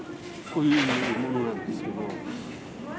こういうものなんですけど。